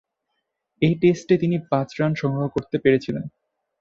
ঐ টেস্টে তিনি পাঁচ রান সংগ্রহ করতে পেরেছিলেন।